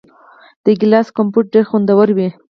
د ګیلاس کمپوټ ډیر خوندور وي.